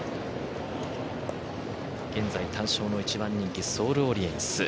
現在、単勝の１番人気ソールオリエンス。